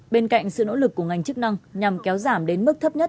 bên cạnh sự nỗ lực của ngành chức năng nhằm kéo giảm đến mức thấp nhất